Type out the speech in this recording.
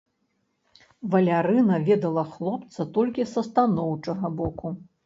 Валярына ведала хлопца толькі са станоўчага боку.